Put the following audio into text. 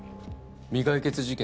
未解決事件